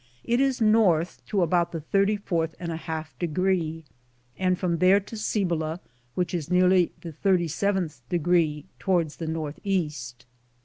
It is north to about the thirty fourth and a half degree, and from there to Cibola, which is nearly the thirty seventh degree, toward the north east.